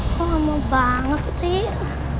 kok amat banget sih